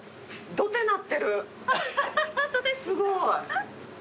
すごい。